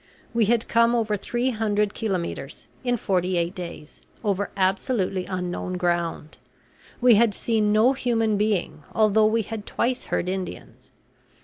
We had come over three hundred kilometres, in forty eight days, over absolutely unknown ground; we had seen no human being, although we had twice heard Indians.